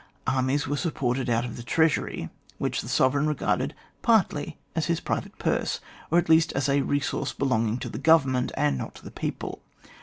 Armies were supported out of the treasury, which the sovereign regarded partly as his private purse, or at least as a resource belonging to the government, and not to the people.